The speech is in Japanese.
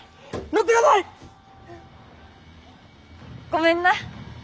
ごめんな。